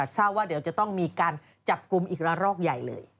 ทราบว่าเดี๋ยวจะต้องมีการจับกลุ่มอีกละรอกใหญ่เลย